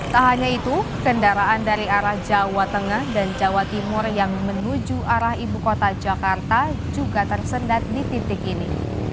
tak hanya itu kendaraan dari arah jawa tengah dan jawa timur yang menuju arah ibu kota jakarta juga tersendat di titik ini